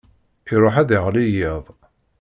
Iṛuḥ ad yeɣli yiḍ.